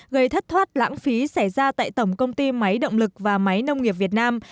gây thất thoát lãng phí xảy ra tại tổng công ty máy động lực và máy nông nghiệp việt nam